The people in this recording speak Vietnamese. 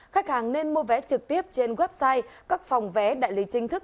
khách hàng nên mua vé trực tiếp trên website các phòng vé đại lý chính thức